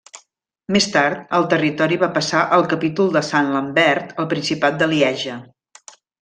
Més tard, el territori va passar al capítol de Sant Lambert al principat de Lieja.